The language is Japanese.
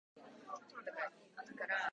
水は必要です